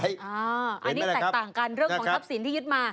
อันนี้แตกต่างกันเรื่องของทรัพย์สินที่ยึดมา